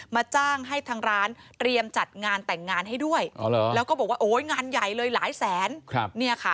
จ้างให้ทางร้านเตรียมจัดงานแต่งงานให้ด้วยแล้วก็บอกว่าโอ๊ยงานใหญ่เลยหลายแสน